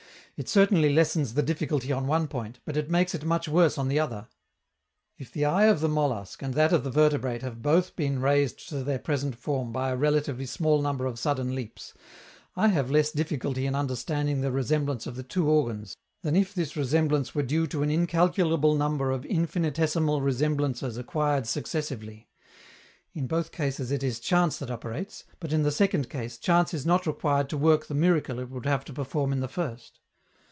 It certainly lessens the difficulty on one point, but it makes it much worse on another. If the eye of the mollusc and that of the vertebrate have both been raised to their present form by a relatively small number of sudden leaps, I have less difficulty in understanding the resemblance of the two organs than if this resemblance were due to an incalculable number of infinitesimal resemblances acquired successively: in both cases it is chance that operates, but in the second case chance is not required to work the miracle it would have to perform in the first.